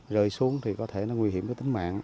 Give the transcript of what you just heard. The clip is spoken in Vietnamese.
rơi xuống thì có thể nó nguy hiểm tới tính mạng